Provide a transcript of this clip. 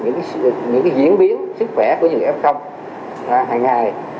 những diễn biến sức khỏe của người f hàng ngày